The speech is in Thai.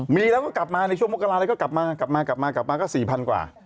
มีแล้วก็กลับมาในช่วงมกราอะไรก็กลับมากลับมากลับมากลับมาก็๔๐๐กว่า